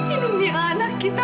ini merah anak kita